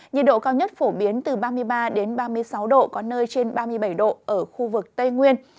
nhiệt độ cao nhất phổ biến từ ba mươi ba ba mươi sáu độ có nơi trên ba mươi bảy độ ở khu vực tây nguyên